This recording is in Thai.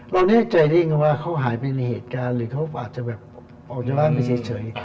แน่ใจได้ยังไงว่าเขาหายไปในเหตุการณ์หรือเขาอาจจะแบบออกจากบ้านไปเฉย